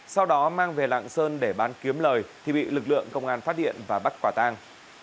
sau đó mang về lạng sơn để bán kiếm lời thì bị lực lượng công an phát hiện và bắt quả tang